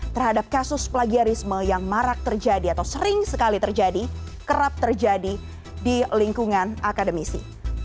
terhadap kasus plagiarisme yang marak terjadi atau sering sekali terjadi kerap terjadi di lingkungan akademisi